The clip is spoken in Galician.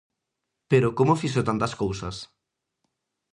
Pero como fixo tantas cousas?